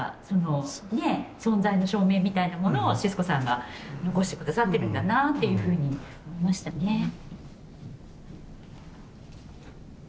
そのね存在の証明みたいなものをシスコさんが残して下さってるんだなっていうふうに思いましたね。